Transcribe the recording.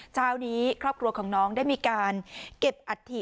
เช้านี้ครอบครัวของน้องได้มีการเก็บอัฐิ